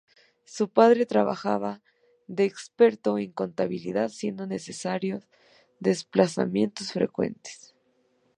Su padre trabajaba de experto en contabilidad, siendo necesarios desplazamientos frecuentes.